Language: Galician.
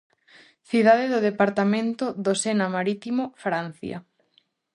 Cidade do departamento do Sena-Marítimo, Francia.